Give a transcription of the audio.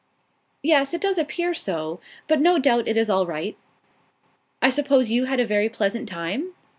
"Yes, it does appear so, but no doubt it is all right. I suppose you had a very pleasant time?"